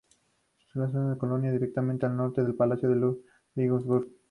Se localiza en una colina, directamente al norte del palacio de Ludwigsburg.